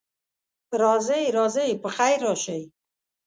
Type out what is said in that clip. راځئ، راځئ، پخیر راشئ.